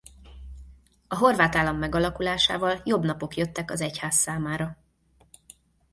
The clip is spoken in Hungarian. A horvát állam megalakulásával jobb napok jöttek az egyház számára.